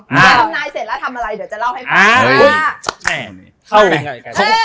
ถ้าทำนายเสร็จแล้วทำอะไรเดี๋ยวจะเล่าให้ฟังว่า